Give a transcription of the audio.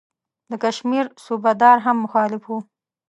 د کشمیر صوبه دار هم مخالف وو.